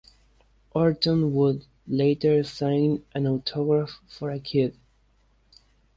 Orton would later sign an autograph for a kid.